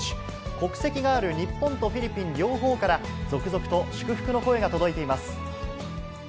国籍がある日本とフィリピン両方から、続々と祝福の声が届いています。